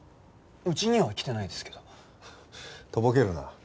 うちには来てないですけど。とぼけるな。